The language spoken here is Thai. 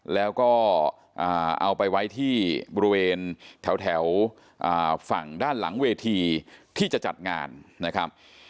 แล้วก็เอาไปไว้ที่บริเวณแถวฝั่งด้านหลังเวทีที่จะจัดงานนะครับ